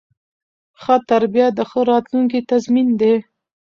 ښه تربیه د ښه راتلونکي تضمین دی.